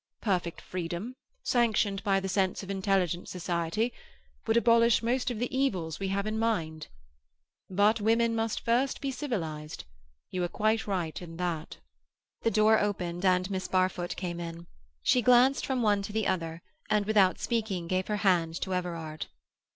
Perfect freedom, sanctioned by the sense of intelligent society, would abolish most of the evils we have in mind. But women must first be civilized; you are quite right in that." The door opened, and Miss Barfoot came in. She glanced from one to the other, and without speaking gave her hand to Everard.